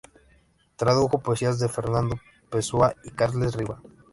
Tradujo poesías de Fernando Pessoa y Carles Riba.